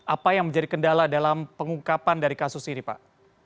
apa yang menjadi kendala dalam pengungkapan dari kasus ini pak